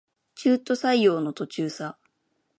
中途採用の途中さ